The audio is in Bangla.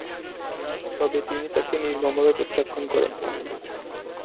তবে তিনি তাকে নির্মমভাবে প্রত্যাখ্যান করেন।